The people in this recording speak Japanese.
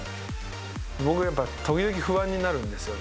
僕はやっぱ、時々不安になるんですよね。